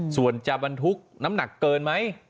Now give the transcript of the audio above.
ส่วนจะบรรทุกน้ำหนักเกินไหม